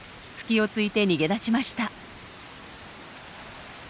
隙をついて逃げ出しました。